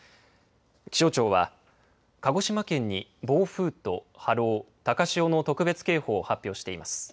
気象庁は、鹿児島県に暴風と波浪、高潮の特別警報を発表しています。